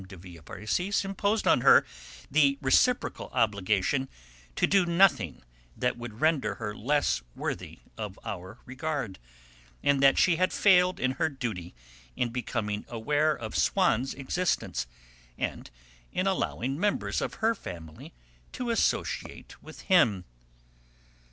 de Villeparisis imposed on her the reciprocal obligation to do nothing that would render her less worthy of our regard, and that she had failed in her duty in becoming aware of Swann's existence and in allowing members of her family to associate with him.